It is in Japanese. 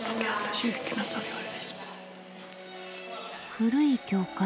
古い教会。